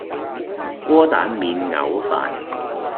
窩蛋免牛飯